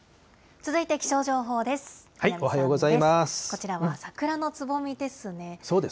続いて気象情報です。